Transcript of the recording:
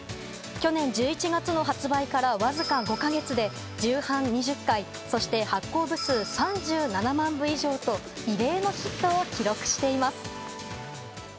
去年１１月の発売からわずか５か月で重版２０回そして発行部数３７万部以上と異例のヒットを記録しています。